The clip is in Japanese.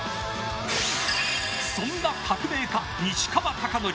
そんな革命家・西川貴教。